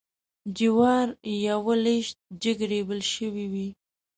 جوارېوه لویشت جګ ریبل شوي وې.